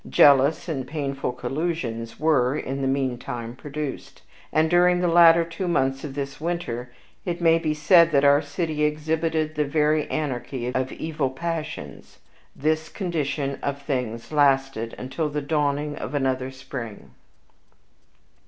Jealous and painful collusions were, in the meantime, produced; and, during the latter two months of this winter, it may be said that our city exhibited the very anarchy of evil passions. This condition of things lasted until the dawning of another spring.